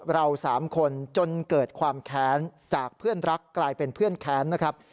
เรา๓คนจนเกิดความแค้นจากเพื่อนรักกลายเป็นเพื่อนแค้นนะครับ